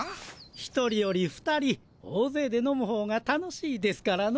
１人より２人大ぜいで飲むほうが楽しいですからの。